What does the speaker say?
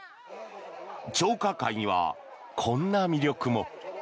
張家界には、こんな魅力も。